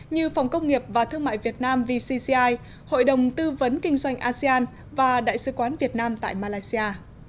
như phòng công nghiệp và thương mại việt nam vcci hội đồng tư vấn kinh doanh asean và đại sứ quán việt nam tại malaysia